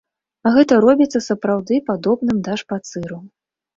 Гэта робіцца сапраўды падобным да шпацыру!